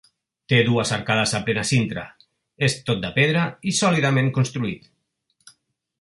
Té dues arcades a plena cintra: és tot de pedra i sòlidament construït.